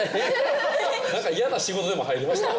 何か嫌な仕事でも入りました？